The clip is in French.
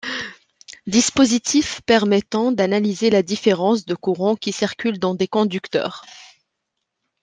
Dispositif permettant d'analyser la différence de courant qui circule dans des conducteurs.